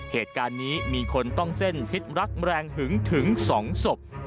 เหตุการณ์นี้มีคนต้องเส้นพิษรักแรงหึงถึง๒ศพ